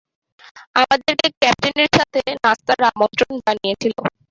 আমাদেরকে ক্যাপ্টেনের সাথে নাস্তার আমন্ত্রণ জানিয়েছিল।